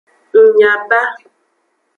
Ng nya ba.